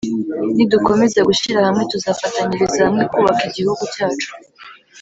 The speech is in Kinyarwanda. nidukomeza gushyira hamwe tuzafatanyiriza hamwe kubaka igihugu cyacu